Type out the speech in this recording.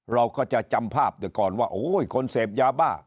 เราก็จะจำภาพเดี๋ยวก่อนว่าโอ้ยคนเสพยาบ้า